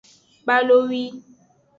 Balowi.